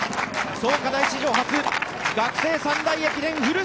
創価大史上初学生三大駅伝フル